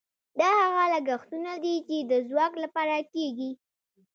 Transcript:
دا هغه لګښتونه دي چې د ځواک لپاره کیږي.